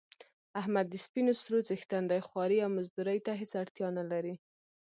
احمد د سپینو سرو څښتن دی خوارۍ او مزدورۍ ته هېڅ اړتیا نه لري.